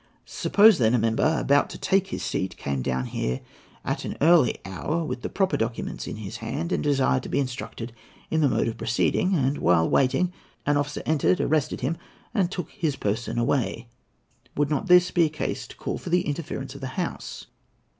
Suppose, then, a member, about to take his seat, came down here at an early hour, with the proper documents in his hand, and desired to be instructed in the mode of proceeding, and, while waiting, an officer entered, arrested him, and took his person away, would not this be a case to call for the interference of the House?"